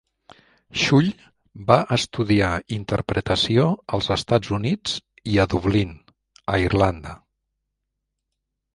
Schull va estudiar interpretació als Estats Units i a Dublín, a Irlanda.